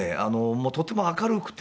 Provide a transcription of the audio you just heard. もうとても明るくて。